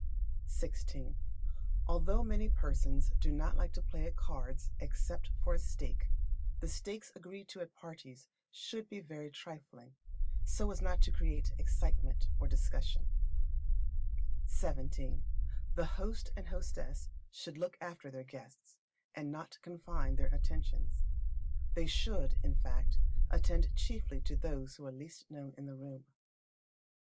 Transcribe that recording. xvi. Although many persons do not like to play at cards except for a stake, the stakes agreed to at parties should be very trifling, so as not to create excitement or discussion. xvii. The host and hostess should look after their guests, and not confine their attentions. They should, in fact, attend chiefly to those who are the least known in the room.